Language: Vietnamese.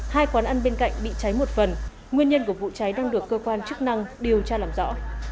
hai quán ăn bên cạnh bị cháy một phần nguyên nhân của vụ cháy đang được cơ quan chức năng điều tra làm rõ